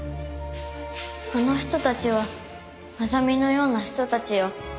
あの人たちはアザミのような人たちよ。